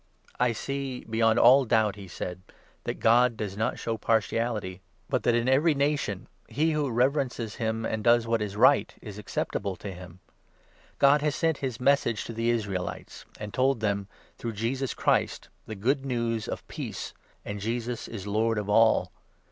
34 "I see, beyond all doubt," he said, "that 'God does not w Deut. 10. 17. 1° 234 THE ACTS, 1O— 11, show partiality,' but that in every nation he who reverences 35 him and does what is right is acceptable to him. God has 36 sent his Message to the Israelites and told them, through Jesus Christ, the Good News of peace — and Jesus is Lord of all